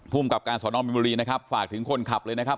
กับการสอนอมมินบุรีนะครับฝากถึงคนขับเลยนะครับ